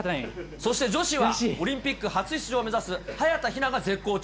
そして女子はオリンピック初出場を目指す早田ひなが絶好調。